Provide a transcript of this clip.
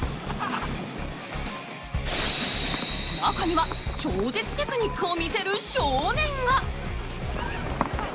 中には超絶テクニックを見せる少年が！